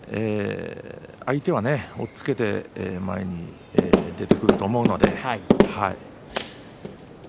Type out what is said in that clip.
相手は押っつけて前に出てくると思いますので。